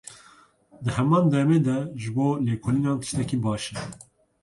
Di heman demê de ji bo lêkolînan tiştekî baş e.